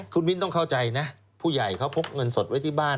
คุณมิ้นต้องเข้าใจนะผู้ใหญ่เขาพกเงินสดไว้ที่บ้าน